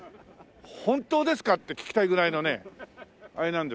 本当ですか？って聞きたいぐらいのねあれなんですけど。